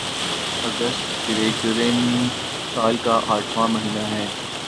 اگست Gregorian سال کا آٹھواں مہینہ ہے